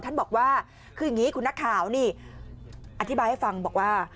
ท่านบอกว่าคืออย่างนี้คุณนักข่าวนี่อธิบายให้ฟังบอกว่า